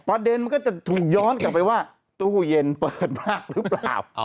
มันก็จะถูกย้อนกลับไปว่าตู้เย็นเปิดมากหรือเปล่า